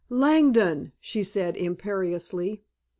"Langdon!" she said imperiously.